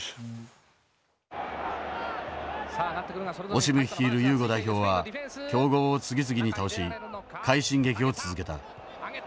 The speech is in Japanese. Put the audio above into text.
オシム率いるユーゴ代表は強豪を次々に倒し快進撃を続けた。